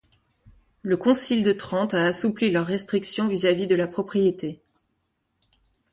Le Concile de Trente a assoupli leurs restrictions vis-à-vis de la propriété.